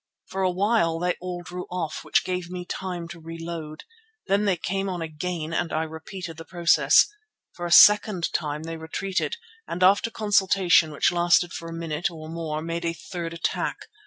For a while they all drew off, which gave me time to reload. Then they came on again and I repeated the process. For a second time they retreated and after consultation which lasted for a minute or more, made a third attack.